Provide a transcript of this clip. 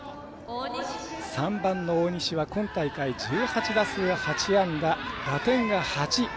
３番の大西は今大会１８打数８安打、打点が８。